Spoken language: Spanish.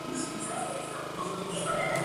Todo en color rojo sangre.